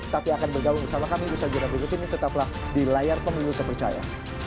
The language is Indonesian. tapi akan bergabung bersama kami usaha jurnal berikut ini tetaplah di layar pemilu terpercaya